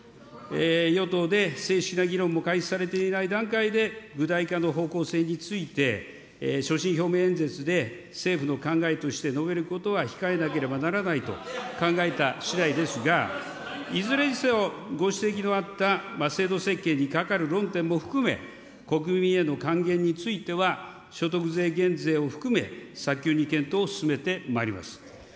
与党で正式な疑問も開始されていない段階で、具体化の方向性について所信表明演説で政府の考えとして述べることは控えなければならないと考えたしだいですが、いずれにせよ、ご指摘のあった制度設計にかかる論点も含め、国民への還元については、所得税減税を含め、早急に検討を進めてまいります。